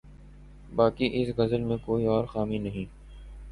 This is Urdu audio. باقی اس غزل میں کوئی اور خامی نہیں۔